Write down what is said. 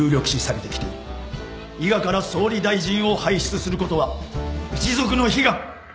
伊賀から総理大臣を輩出することは一族の悲願。